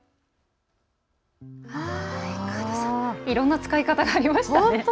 いろんな使い方がありましたね。